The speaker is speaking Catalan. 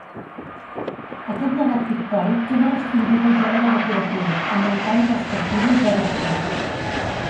Aquest llegat pictòric queda restringit al gènere decoratiu, en mancar de perspectiva i clarobscur.